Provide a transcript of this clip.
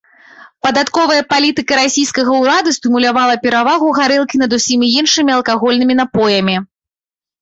Падатковая палітыка расійскага ўраду стымулявала перавагу гарэлкі над усімі іншымі алкагольнымі напоямі.